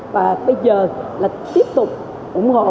và bây giờ là tiếp tục ủng hộ